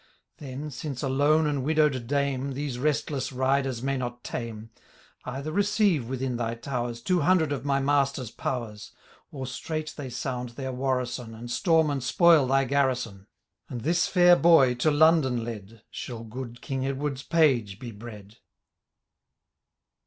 Then, since a lone and widowM Dame These restless riders may not tame. Either receive within thy towers Two hmidred of my master*? powers, Or straight they sound their warrison,^ And storm and spoil thy garrison :. And tills fiiir boy to London led. Shall good King Edward'k page be bred.